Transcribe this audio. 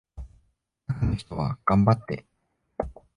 中の人は頑張って